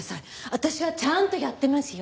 私はちゃんとやってますよ。